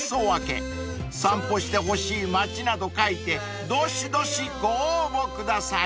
［散歩してほしい町など書いてどしどしご応募ください］